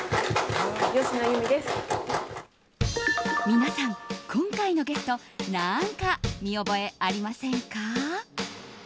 皆さん、今回のゲスト何か見覚えありませんか？